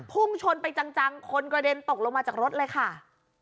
พุ่งชนไปจังคนกระเด็นตกลงมาจากรถเลยค่ะ